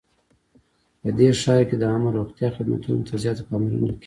په دې ښار کې د عامه روغتیا خدمتونو ته زیاته پاملرنه کیږي